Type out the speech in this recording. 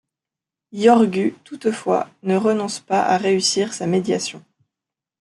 Iorgu, toutefois, ne renonce pas à réussir sa médiation.